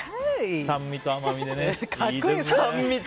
酸味と甘みでね。